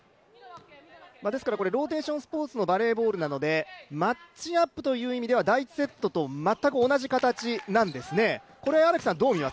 ローテーションスポーツのバレーボールなのでマッチアップという意味では、第１セットと全く同じ形なんですね。